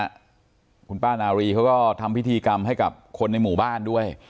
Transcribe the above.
คุณป้านารีเขาก็ทำพิธีกรรมให้กับคนในหมู่บ้านด้วย